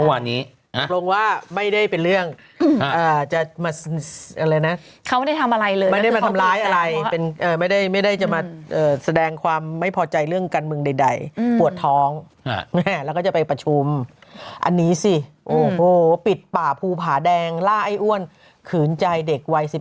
อันนี้สิโอ้โหปิดป่าภูผาแดงล่าไอ้อ้วนขืนใจเด็กวัย